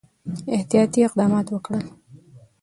احتیاطي اقدمات وکړل.